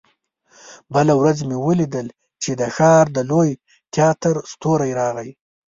بله ورځ مې ولیدل چې د ښار د لوی تياتر ستورى راغی.